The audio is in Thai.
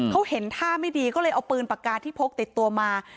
เขาเห็นท่าไม่ดีก็เลยเอาปืนปากกาที่พกติดตัวมา